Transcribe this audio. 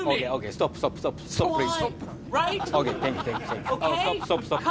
ストップ！